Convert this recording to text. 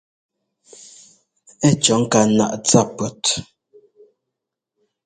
Ɛ́ cɔ̌ ŋká naꞌ tsa pʉ̈ɔt.